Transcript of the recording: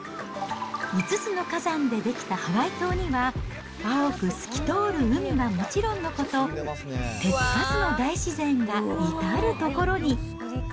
５つの火山で出来たハワイ島には、青く透き通る海はもちろんのこと、手付かずの大自然が至る所に。